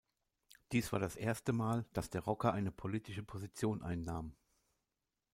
Dies war das erste Mal, dass der Rocker eine politische Position einnahm.